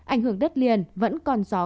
ảnh hưởng đất liền vẫn còn gió